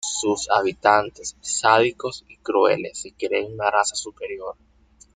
Sus habitantes, sádicos y crueles, se creen una raza superior.